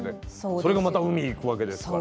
それがまた海行くわけですから。